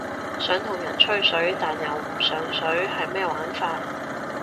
想同人吹水但又唔上水係咩玩法？